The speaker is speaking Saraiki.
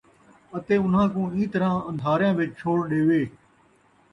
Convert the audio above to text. اَتے اُنھاں کوں اِیں طرح اَندھاریاں وِچ چھوڑ ݙیوے